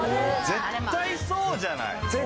絶対そうじゃない。